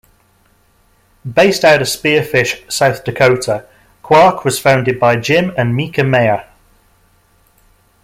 Based out of Spearfish, South Dakota, Quarq was founded by Jim and Mieke Meyer.